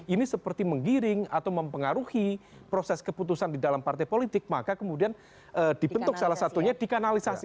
ini seperti menggiring atau mempengaruhi proses keputusan di dalam partai politik maka kemudian dibentuk salah satunya dikanalisasi